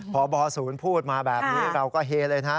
พบศูนย์พูดมาแบบนี้เราก็เฮเลยนะ